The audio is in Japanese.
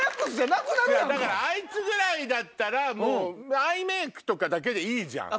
あいつぐらいだったらアイメイクとかだけでいいじゃん。